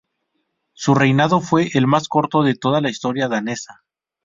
Su reinado fue el más corto de toda la historia danesa.